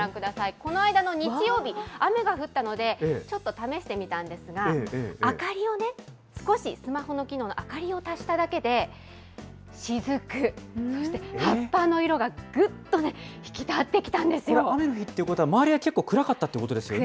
この間の日曜日、雨が降ったので、ちょっと試してみたんですが、明かりを少し、スマホの機能の明かりを足しただけで、しずく、そして葉っぱの色がぐっと引き立って雨の日っていうことは、周りは結構暗かったということですよね。